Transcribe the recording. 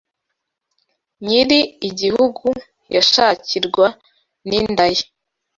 Nyiri igihugu yashakirwa n'inda ye